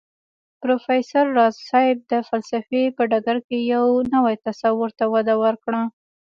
پروفېسر راز صيب د فلسفې په ډګر کې يو نوي تصور ته وده ورکړه